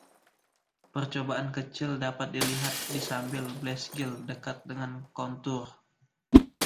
Percobaan kecil dapat dilihat di sambil Blease Gill dekat dengan kontur.